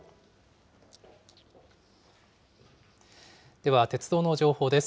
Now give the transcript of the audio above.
では、鉄道の情報です。